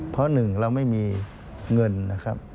เพราะหนึ่งเราไม่มีเงินนะครับ